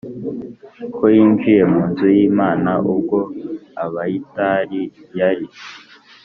ko yinjiye mu nzu y Imana ubwo Abiyatari yari